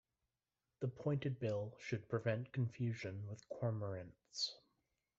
The pointed bill should prevent confusion with cormorants.